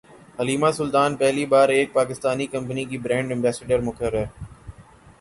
Halima Sultan پہلی بار ایک پاکستانی کمپنی کی برانڈ ایمبیسڈر مقرر